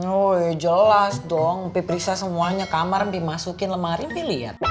oh ya jelas dong mpipriksa semuanya kamar mpimasukin lemari mpilihat